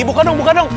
bukan dong bukan dong